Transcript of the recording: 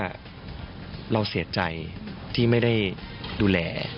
เราเสียใจที่ไม่ได้ดูแล